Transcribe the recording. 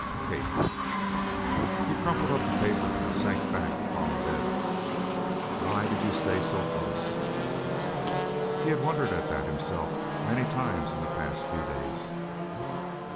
Kate." He crumpled up the paper and sank back upon the bed. "Why did you stay so close?" He had wondered at that, himself, many times in the past few days.